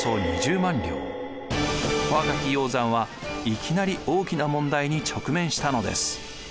若き鷹山はいきなり大きな問題に直面したのです。